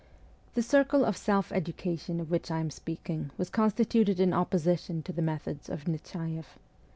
The circle of self education of which I am speaking was constituted in opposition to the methods of Nechaieff.